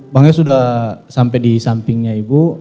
bang e sudah sampai di sampingnya ibu